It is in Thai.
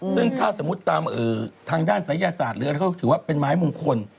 ซึ่งถ้าสมมุติตามทางด้านศัยศาสตร์หรืออะไรก็ถือว่าเป็นไม้มงคล